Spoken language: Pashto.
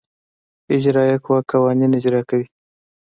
اجرائیه قوه قوانین اجرا کوي.